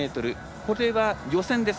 これは予選です。